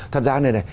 thật ra như thế này